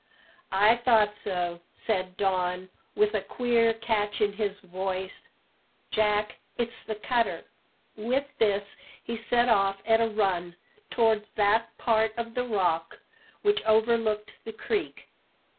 "I thought so," said Don, with a queer catch in his voice. "Jack, it's the cutter!" With this he set off at a run towards that part of the Rock which overlooked the creek.